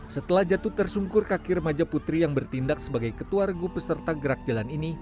setelah jatuh tersungkur kaki remaja putri yang bertindak sebagai ketua regu peserta gerak jalan ini